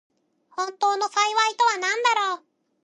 本当の幸いとはなんだろう。